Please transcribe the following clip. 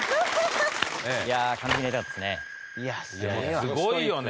すごいよね。